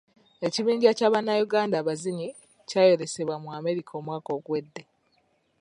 Ekibinja kya bannayuganda abazinyi kyayolesa mu America omwaka oguwedde.